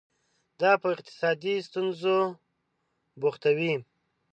دا په اقتصادي ستونزو بوختوي.